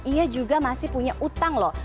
ia juga masih punya utang loh